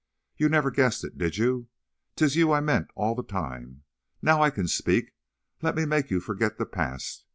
You never guessed it, did you? 'Tis you I meant all the time. Now I can speak. Let me make you forget the past.